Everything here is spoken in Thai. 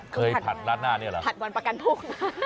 ผัดร้านหน้านี้เหรอผัดวันประกันพวก